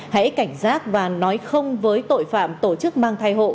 hãy cảnh giác và nói không với tội phạm tổ chức mang thai hộ